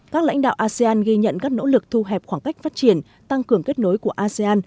các lãnh đạo asean ghi nhận các nỗ lực thu hẹp khoảng cách phát triển tăng cường kết nối của asean